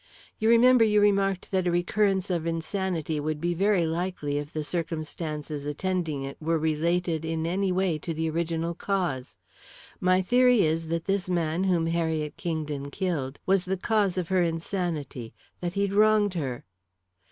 You remember, you remarked that a recurrence of insanity would be very likely if the circumstances attending it were related in any way to the original cause. My theory is that this man whom Harriet Kingdon killed was the cause of her insanity that he'd wronged her."